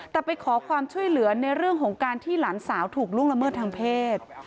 แต่ไปขอความช่วยเหลือในเรื่องของการที่หลานสาวถูกล่วงละเมิดทางเพศ